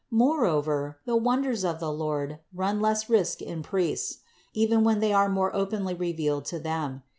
More over the wonders of the Lord run less risk in priests, even when they are more openly revealed to them.